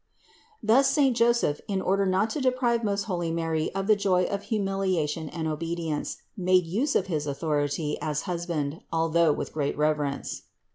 Thus saint Joseph, in order not to deprive most holy Mary of the joy of humiliation and obedience, made use of his authority as husband, although with great reverence.